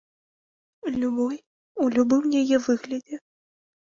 Любой, у любым яе выглядзе.